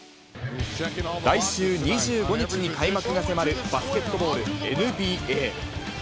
来週２５日に開幕が迫るバスケットボール、ＮＢＡ。